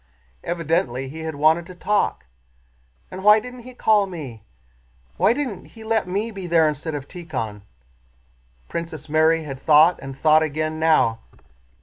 Evidently he had wanted to talk. "And why didn't he call me? Why didn't he let me be there instead of Tíkhon?" Princess Mary had thought and thought again now.